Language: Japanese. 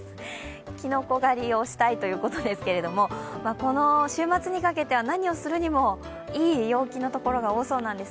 きのこ狩りをしたいということだそうですけど、この週末にかけては何をするにもいい陽気のところが多いんです。